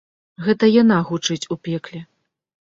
Гэта яна гучыць у пекле.